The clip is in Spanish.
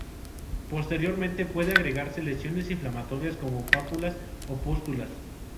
Posteriormente pueden agregarse lesiones inflamatorias como pápulas o pústulas.